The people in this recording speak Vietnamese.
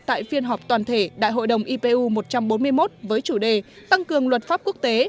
tại phiên họp toàn thể đại hội đồng ipu một trăm bốn mươi một với chủ đề tăng cường luật pháp quốc tế